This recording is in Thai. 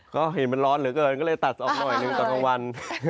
ก็เห็นมันร้อนเหลือเกินก็เลยตัดออกหน่อยหนึ่งตอนกลางวัน